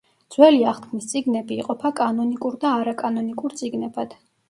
ძველი აღთქმის წიგნები იყოფა კანონიკურ და არაკანონიკურ წიგნებად.